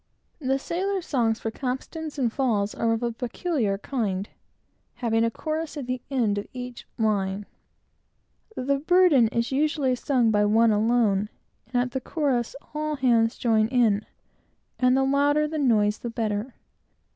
The sailor's songs for capstans and falls are of a peculiar kind, having a chorus at the end of each line. The burden is usually sung, by one alone, and, at the chorus, all hands join in, and the louder the noise, the better.